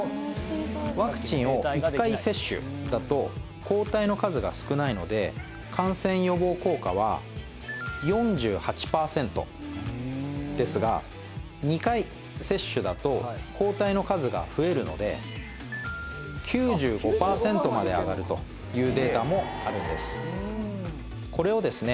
ワクチンを１回接種だと抗体の数が少ないので感染予防効果は４８％ですが２回接種だと抗体の数が増えるので９５％まで上がるというデータもあるんですこれをですね